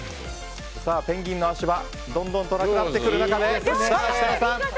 ペンギンの足場どんどん足りなくなってくる中で次は設楽さん。